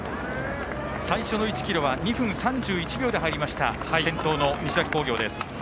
最初の１ｋｍは２分３１秒で入りました先頭の西脇工業です。